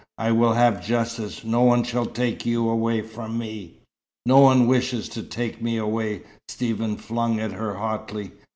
"I will have justice. No one shall take you away from me." "No one wishes to take me away," Stephen flung at her hotly.